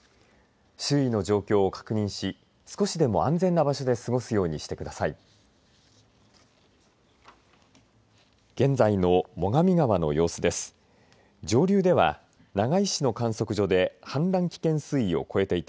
周囲の状況を確認し少しでも安全な場所で過ごすようにしてください。